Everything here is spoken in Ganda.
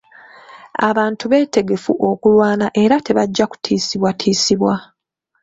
Abantu beetegefu okulwana era tebajja kutiisibwatiisibwa.